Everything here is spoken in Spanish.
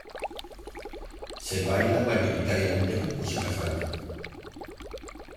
Se baila mayoritariamente con música Funk.